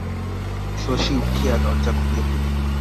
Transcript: শশী উঠিয়া দরজা খুলিয়া দিল।